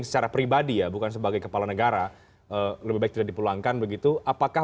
secara pribadi ya bukan sebagai kepala negara lebih baik tidak dipulangkan begitu apakah